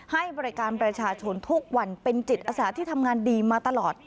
ให้บริการประชาชนทุกวันเป็นจิตอาสาที่ทำงานดีมาตลอด